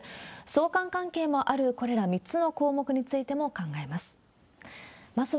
相関関係もあるこれら３つの項目についても考えます。